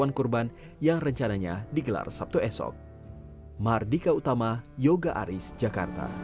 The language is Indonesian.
yang kurban yang rencananya digelar sabtu esok